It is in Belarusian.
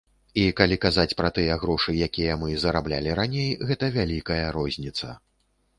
І калі казаць пра тыя грошы, якія мы зараблялі раней, гэта вялікая розніца.